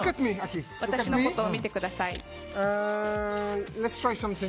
私のことを見てください。